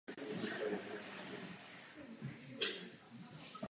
Jméno se tedy dá přeložit jako "otec věčného plamene".